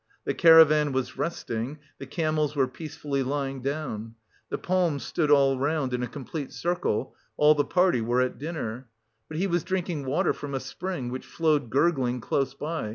The caravan was resting, the camels were peacefully lying down; the palms stood all around in a complete circle; all the party were at dinner. But he was drinking water from a spring which flowed gurgling close by.